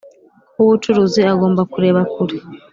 w’ubucuruzi agomba kureba kure